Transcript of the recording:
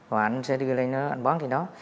và anh sẽ đi lên đó anh bán trên đó